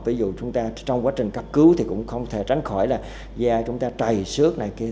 ví dụ chúng ta trong quá trình cấp cứu thì cũng không thể tránh khỏi là da chúng ta chảy xước này kia